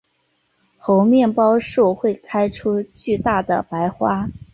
猴面包树会开出巨大的白花。